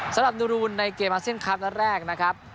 สำหรับนูรูนในเกมอาเซียนคลับนัดแรกนะครับ